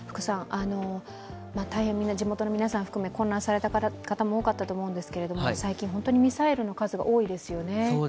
大変みんな地元の皆さん含め混乱された方多かったと思うんですけれども最近、本当にミサイルの数が多いですよね？